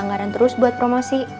anggaran terus buat promosi